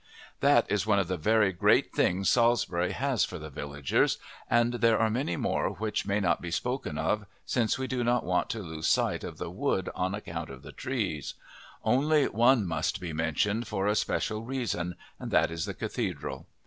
That is one of the very great things Salisbury has for the villagers, and there are many more which may not be spoken of, since we do not want to lose sight of the wood on account of the trees; only one must be mentioned for a special reason, and that is the cathedral.